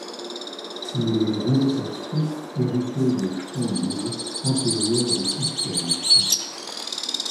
Les invocations héritaient de chants magiques antérieurs au christianisme.